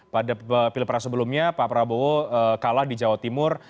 pada pilpres sebelumnya pak prabowo kalah di jawa timur